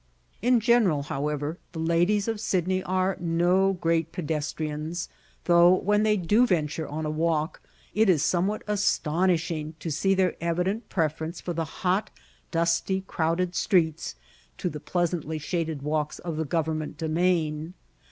In general, however, the ladies of Sydney are no great pedestrians, though, when they do venture on a walk, it is somewhat astonishing to see their evident preference for the hot, dusty, crowded streets, to the pleasantly shaded walks of the Government Domain.